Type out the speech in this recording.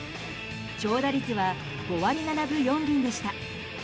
長打率は５割７分４厘でした。